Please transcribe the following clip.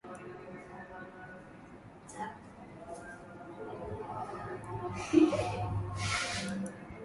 Wanyama kupata ulemavu wa miguu ni dalili nyingine ya ugonjwa miguu na midomo